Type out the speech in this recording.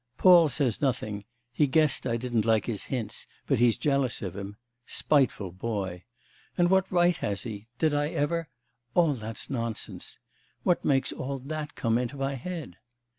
Paul says nothing; he guessed I didn't like his hints, but he's jealous of him. Spiteful boy! And what right has he? Did I ever... All that's nonsense! What makes all that come into my head?